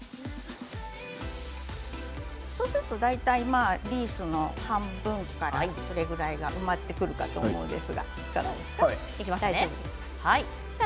そうするとリースの半分から半分くら上くらいが埋まってくるかと思うんですがいかがですか？